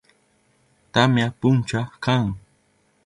Tamya puncha kan.